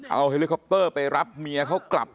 เอาเฮลิคอปเตอร์ไปรับเมียเขากลับ